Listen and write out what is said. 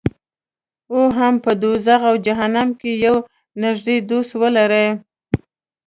او هم په دوزخ او جهنم کې یو نږدې دوست ولري.